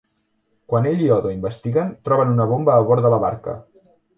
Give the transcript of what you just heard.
Quan ell i Odo investiguen, troben una bomba a bord de la barca.